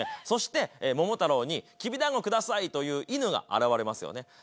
そして桃太郎に「きびだんごください」と言う犬が現れますよね。